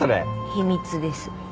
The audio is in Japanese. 秘密です。